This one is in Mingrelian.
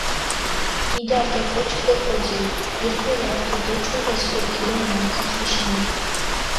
მიდართ ე კოჩქჷ დო ქოძირჷ, ირფელი ართო დოჭვერე სვეტი დო მართახიში მეტი